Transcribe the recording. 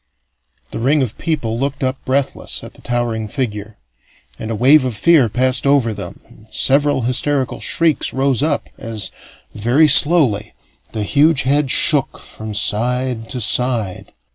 The ring of people looked up breathless at the towering figure, and a wave of fear passed over them and several hysterical shrieks rose up as, very slowly, the huge head shook from side to side.